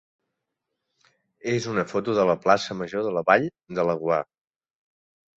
és una foto de la plaça major de la Vall de Laguar.